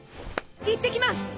行ってきます！